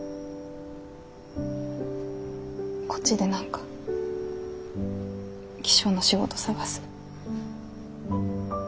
こっちで何か気象の仕事探す。